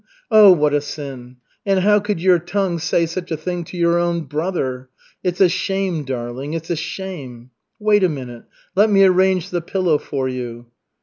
Oh, what a sin! And how could your tongue say such a thing to your own brother! It's a shame, darling, it's a shame! Wait a minute, let me arrange the pillow for you."